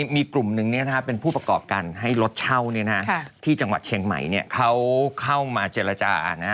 มีกลุ่มนึงเป็นผู้ประกอบการให้รถเช่าที่จังหวัดเชียงใหม่เขาเข้ามาเจรจา